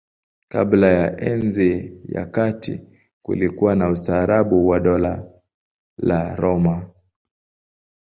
Kabla ya Enzi ya Kati kulikuwa na ustaarabu wa Dola la Roma.